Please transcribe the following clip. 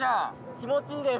気持ちいいです。